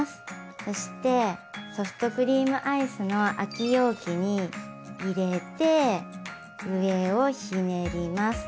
そしてソフトクリームアイスの空き容器に入れて上をひねります。